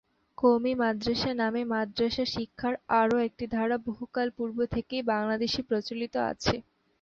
কওমী মাদ্রাসা নামে মাদ্রাসা শিক্ষার আরও একটি ধারা বহুকাল পূর্ব থেকেই বাংলাদেশে প্রচলিত আছে।